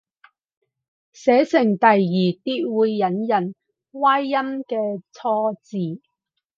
寫成第二啲會引人歪音嘅錯字